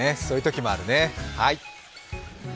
そういうときもあるね。